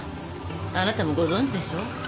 あなたもご存じでしょう？